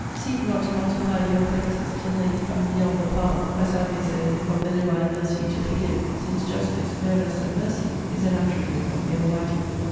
Seek not to multiply your offences till they become beyond the power, as I may say, of the Divine mercy to forgive; since justice, no less than mercy, is an attribute of the Almighty.